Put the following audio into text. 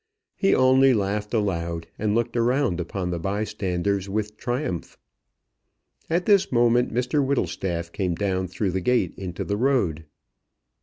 He only laughed aloud, and looked around upon the bystanders with triumph. At this moment Mr Whittlestaff came down through the gate into the road.